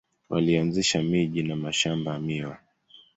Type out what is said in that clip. Walianzisha miji na mashamba ya miwa.